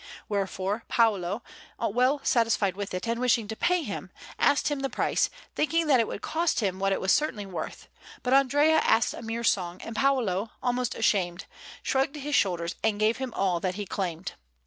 Wherefore Paolo, well satisfied with it and wishing to pay him, asked him the price, thinking that it would cost him what it was certainly worth; but Andrea asked a mere song, and Paolo, almost ashamed, shrugged his shoulders and gave him all that he claimed.